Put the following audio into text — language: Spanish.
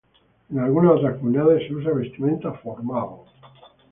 En algunas otras comunidades se usa vestimenta formal.